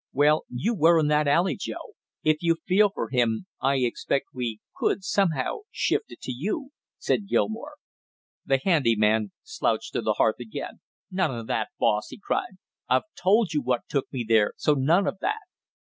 "Well, you were in that alley, Joe; if you feel for him, I expect we could somehow shift it to you!" said Gilmore. The handy man slouched to the hearth again. "None of that, boss!" he cried. "I've told you what took me there, so none of that!"